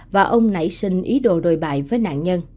và ông nảy sinh ý đồ đồi bại với nạn nhân